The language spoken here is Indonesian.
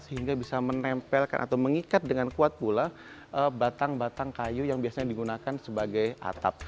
sehingga bisa menempelkan atau mengikat dengan kuat pula batang batang kayu yang biasanya digunakan sebagai atap